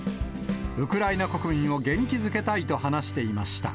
ウクライナ国民を元気づけたいと話していました。